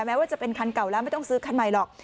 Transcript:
แม้ว่าจะเป็นคันเก่าแล้วไม่ต้องซื้อคันใหม่หรอก